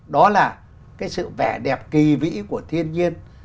đó là cái sự vẻ đẹp kỳ vĩ của thiên nhiên